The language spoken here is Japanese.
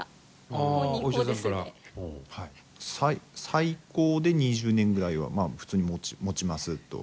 最高で２０年ぐらいは普通にもちますと。